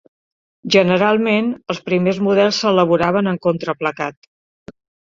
Generalment, els primers models s'elaboraven amb contraplacat.